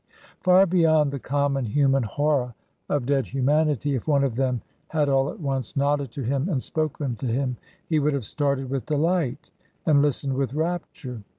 Far beyond the common human horror of dead humanity, if one of them had all at once nodded to him and spoken to him he would have started with delight and listened with rapture.